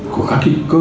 của các cái cơ sở